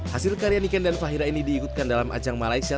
hasil karya niken dan fahira ini diikutkan dalam ajang malaysia